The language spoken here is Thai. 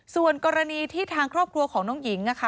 ส่วนกรณีที่ทางครอบครัวของน้องหญิงนะคะ